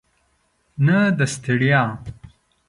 نه د ستړیا.